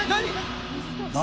何？